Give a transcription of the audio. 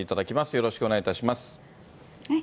よろしくお願いします。